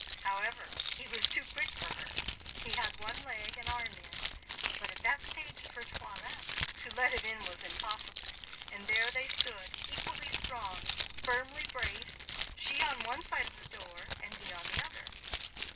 However, he was too quick for her. He had one leg and arm in; but, at that stage of her toilet, to let him in was impossible, and there they stood, equally strong, firmly braced, she on one side of the door and he on the other.